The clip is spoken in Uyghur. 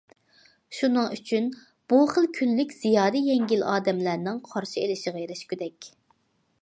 شۇنىڭ ئۈچۈن بۇ خىل كۈنلۈك زىيادە يەڭگىل ئادەملەرنىڭ قارشى ئېلىشىغا ئېرىشكۈدەك.